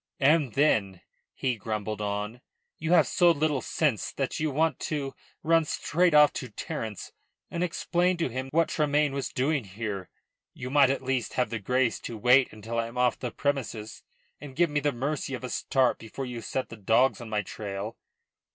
"And then," he grumbled on, "you have so little sense that you want to run straight off to Terence and explain to him what Tremayne was doing here. You might at least have the grace to wait until I am off the premises, and give me the mercy of a start before you set the dogs on my trail."